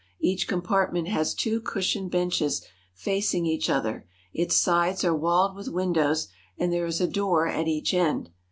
Each compart ment has two cushioned benches facing each other, its sides are walled with windows, and there is a door at each end.